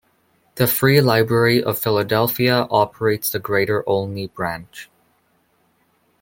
The Free Library of Philadelphia operates the Greater Olney Branch.